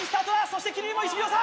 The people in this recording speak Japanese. そして桐生も１秒差